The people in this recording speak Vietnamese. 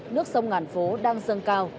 nước sông ngàn phố đang dâng cao